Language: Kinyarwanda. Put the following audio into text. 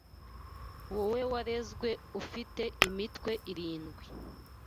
Wowe warezwe ufite imitwe irindwi